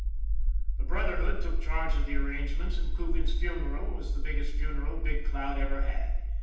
The Brotherhood took charge of the arrangements, and Coogan's funeral was the biggest funeral Big Cloud ever had.